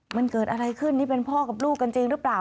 มันเกิดอะไรขึ้นนี่เป็นพ่อกับลูกกันจริงหรือเปล่า